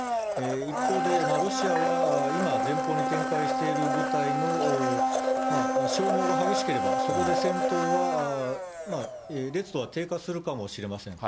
一方で、ロシアは今、前方に展開している部隊の消耗が激しければ、そこで戦闘は、は低下するかもしれません。